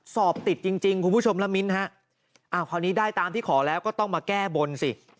สอบติดจริงคุณผู้ชมละมิ้นฮะอ้าวคราวนี้ได้ตามที่ขอแล้วก็ต้องมาแก้บนสิ